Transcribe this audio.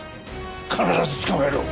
必ず捕まえろ！